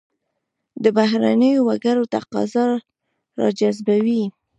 دا بهرنیو وګړو تقاضا راجذبوي.